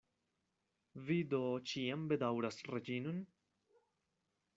Vi do ĉiam bedaŭras Reĝinon?